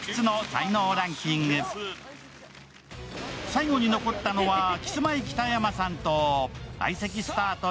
最後に残ったのはキスマイ北山さんと相席スタート